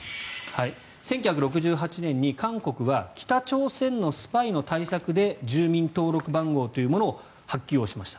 １９６８年に韓国は北朝鮮のスパイの対策で住民登録番号というものを発給しました。